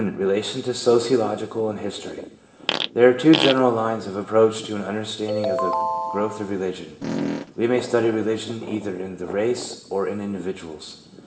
Relation to Sociology and History. — There are two general lines of approach to an understanding of the growth of religion. We may study religion either in the race or in individuals.